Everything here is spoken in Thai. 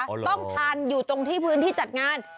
ต้องทานอยู่ตรงที่พื้นที่จัดงาน